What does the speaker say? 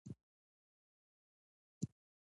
د دوی کالمونه د مطالعې قوي بڼې لري.